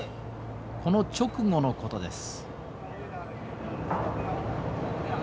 この直後のことです。